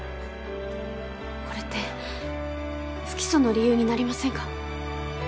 これって不起訴の理由になりませんか？